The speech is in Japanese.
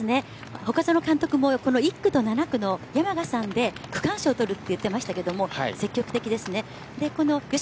外園監督も１区と７区の吉村さんで区間賞取ると言ってましたが、積極的ですね。